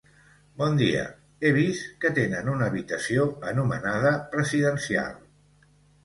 Bon dia, he vist que tenen una habitació anomenada Presidencial.